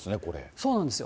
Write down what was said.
そうなんですよ。